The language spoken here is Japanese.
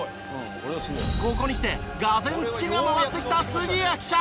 ここにきて俄然ツキが回ってきた杉谷記者。